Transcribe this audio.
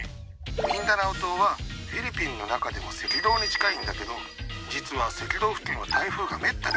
ミンダナオ島はフィリピンの中でも赤道に近いんだけど実は赤道付近は台風がめったに来ないのよ。